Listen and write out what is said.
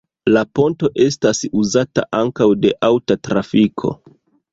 La ponto estas uzata ankaŭ de aŭta trafiko.